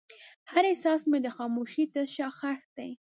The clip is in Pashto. هر احساس مې د خاموشۍ تر شا ښخ دی.